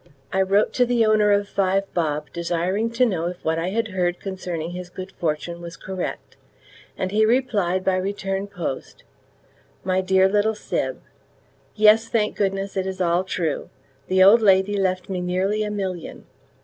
I wrote to the owner of Five Bob desiring to know if what I heard concerning his good fortune was correct, and he replied by return post: My dear little Syb, Yes, thank goodness it is all true. The old lady left me nearly a million.